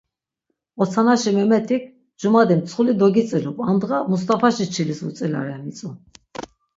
Otsanaşi Memetik “Cumadi mtsxuli dogitzilup, andğa Mustavaşi çilis vutzilare” mitzu.